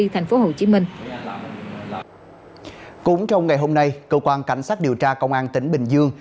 cũng trong ngày hôm nay cơ quan cảnh sát điều tra công an tỉnh bình dương